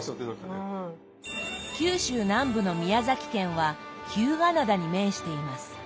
九州南部の宮崎県は日向灘に面しています。